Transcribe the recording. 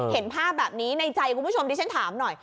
เห็นภาพแบบนี้ในใจคุณผู้ชมดิฉันถามหน่อย